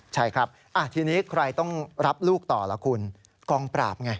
ใช่ครับทีนี้ใครต้องรับลูกต่อล่ะคุณกองปราบไง